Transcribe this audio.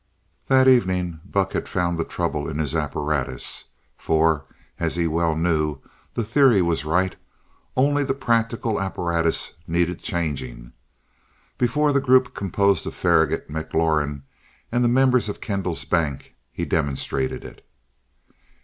That evening, Buck had found the trouble in his apparatus, for as he well knew, the theory was right, only the practical apparatus needed changing. Before the group composed of Faragaut, McLaurin and the members of Kendall's "bank," he demonstrated it.